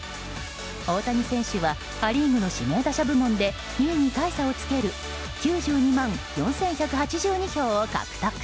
大谷選手はア・リーグの指名打者部門で２位に大差をつける９２万４１８２票を獲得。